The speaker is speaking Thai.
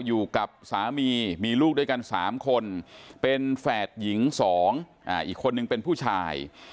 อยู่กับสามีมีลูกด้วยกัน๓คนเป็นแฝดหญิง๒อีกคนนึงเป็นผู้ชาย